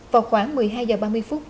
vào khoảng một mươi hai h ba mươi phút